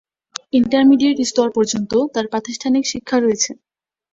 Intermediate স্তর পর্যন্ত তার প্রাতিষ্ঠানিক শিক্ষা রয়েছে।